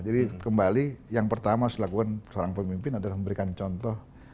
jadi kembali yang pertama harus dilakukan seorang pemimpin adalah memberikan contoh